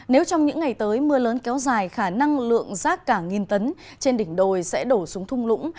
nếu trong những ngày tới mưa lớn kéo dài khả năng lượng rác cả nghìn tấn trên đỉnh đồi sẽ đổ xuống thung lũng